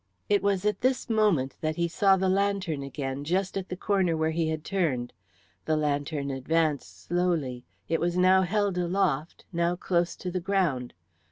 It was at this moment that he saw the lantern again, just at the corner where he had turned. The lantern advanced slowly; it was now held aloft, now close to the ground.